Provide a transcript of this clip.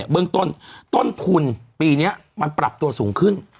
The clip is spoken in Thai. เบื้องต้นต้นทุนปีนี้มันปรับตัวสูงขึ้น